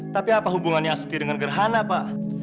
tapi apa hubungannya asti dengan gerhana pak